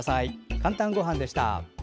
「かんたんごはん」でした。